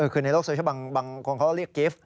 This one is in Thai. คือในโลกโซเชียลบางคนเขาก็เรียกกิฟต์